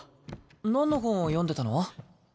なんの本を読んでたの？